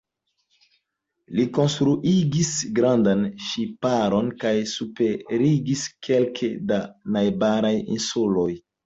Li konstruigis grandan ŝiparon kaj superregis kelke da najbaraj insuloj.